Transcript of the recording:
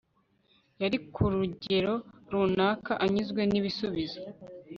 yari ku rugero runaka, anyuzwe n'ibisubizo